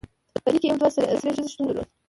پدې کې یوې دوه سرې ښځې شتون درلود